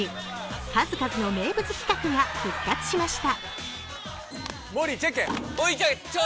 数々の名物企画が復活しました。